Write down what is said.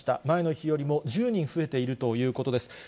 前の日よりも１０人増えているということです。